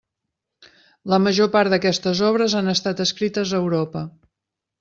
La major part d'aquestes obres han estat escrites a Europa.